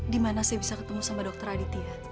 dimana saya bisa ketemu sama dokter aditya